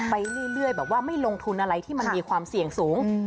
ไปเรื่อยแบบว่าไม่ลงทุนอะไรที่มันมีความเสี่ยงสูง